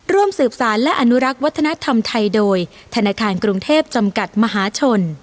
ร่วมสืบสารและอนุรักษ์วัฒนธรรมไทยโดยธนาคารกรุงเทพจำกัดมหาชน